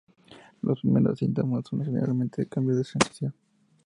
Los primeros síntomas son generalmente cambios de sensación.